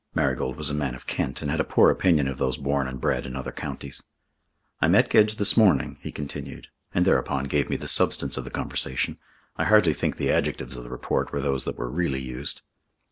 Marigold was a man of Kent and had a poor opinion of those born and bred in other counties. "I met Gedge this morning," he continued, and thereupon gave me the substance of the conversation. I hardly think the adjectives of the report were those that were really used.